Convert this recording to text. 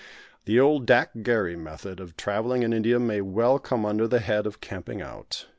The old dak gharry method of travelling in India may well come under the head of Camping Out.